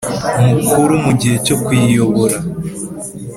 Mukuru mu gihe cyo kuyiyobora